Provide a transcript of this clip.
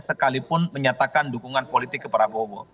sekalipun menyatakan dukungan politik ke prabowo